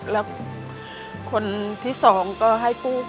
แล้วคนที่สองก็ให้กู้กรยสค่ะ